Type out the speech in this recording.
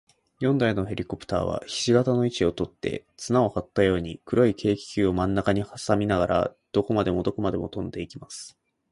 四台のヘリコプターは、ひし形の位置をとって、綱をはったように、黒い軽気球をまんなかにはさみながら、どこまでもどこまでもとんでいきます。